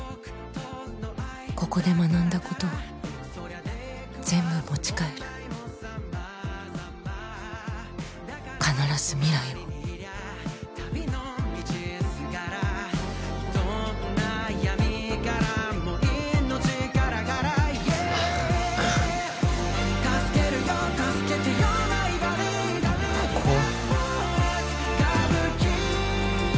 ここで学んだことを全部持ち帰る必ず未来をここは？